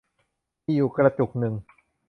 มีอยู่กระจุกนึง